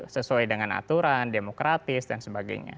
sesuai dengan aturan demokratis dan sebagainya